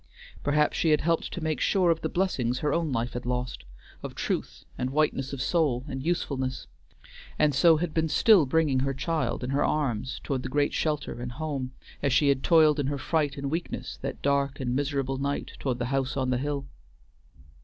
Perhaps she had helped to make sure of the blessings her own life had lost, of truth and whiteness of soul and usefulness; and so had been still bringing her child in her arms toward the great shelter and home, as she had toiled in her fright and weakness that dark and miserable night toward the house on the hill.